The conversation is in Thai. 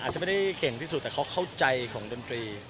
อาจจะไม่ได้เก่งที่สุดแต่เขาเข้าใจของดนตรี